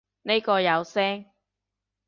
呢個有聲